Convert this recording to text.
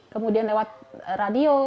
kemudian lewat radio